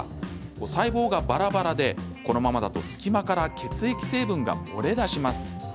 細胞がばらばらでこのままだと隙間から血液成分が漏れ出します。